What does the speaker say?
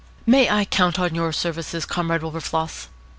May I count on your services, Comrade Wilberfloss?